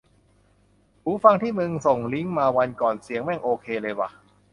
หูฟังที่มึงส่งลิงก์มาวันก่อนเสียงแม่งโอเคเลยว่ะ